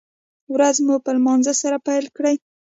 ورځ مو په لمانځه سره پیل کړئ